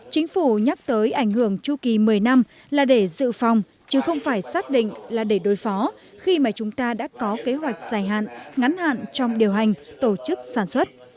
chính phủ nhắc tới ảnh hưởng chu kỳ một mươi năm là để dự phòng chứ không phải xác định là để đối phó khi mà chúng ta đã có kế hoạch dài hạn ngắn hạn trong điều hành tổ chức sản xuất